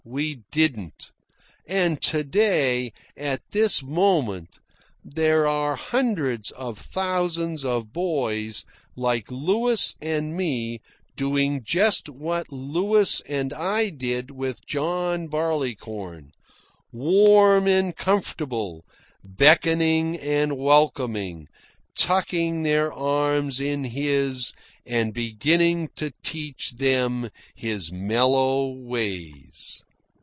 We didn't. And to day, at this moment, there are hundreds of thousands of boys like Louis and me doing just what Louis and I did with John Barleycorn, warm and comfortable, beckoning and welcoming, tucking their arms in his and beginning to teach them his mellow ways.